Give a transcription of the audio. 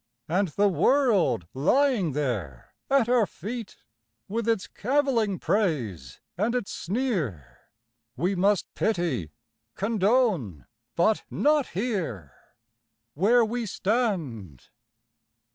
And the world lying there at our feet, With its cavilling praise and its sneer, We must pity, condone, but not hear, Where we stand.